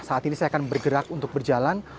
saat ini saya akan bergerak untuk berjalan